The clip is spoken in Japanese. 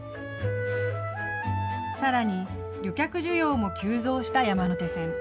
さらに旅客需要も急増した山手線。